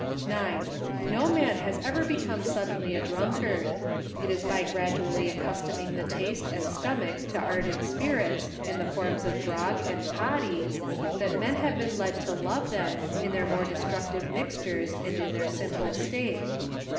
9. No man ever became suddenly a drunkard, ft is by gradually accustoming the taste and stomach to ardent spirits, in the forms of grog and toddy, that men have been led to love them in their more destructive mixtures and in their simple state.